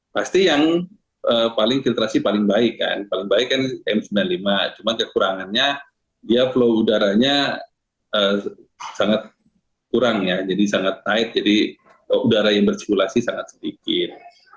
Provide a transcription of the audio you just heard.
pasti yang paling filtrasi paling baik kan paling baik kan m sembilan puluh lima cuman kekurangannya dia flow udaranya sangat kurang ya jadi sangat naik jadi udara yang bersikulasi sangat sedikit